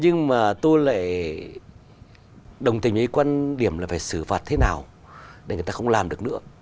nhưng mà tôi lại đồng tình với quan điểm là phải xử phạt thế nào để người ta không làm được nữa